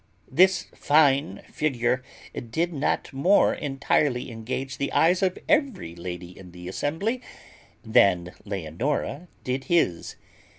This fine figure did not more entirely engage the eyes of every lady in the assembly than Leonora did his.